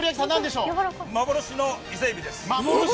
幻の伊勢えびです。